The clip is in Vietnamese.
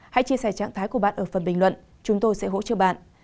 hãy chia sẻ trạng thái của bạn ở phần bình luận chúng tôi sẽ hỗ trợ bạn